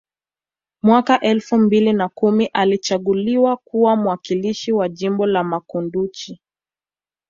Mwaka elfu mbili na kumi alichaguliwa kuwa mwakilishi wa jimbo la Makunduchi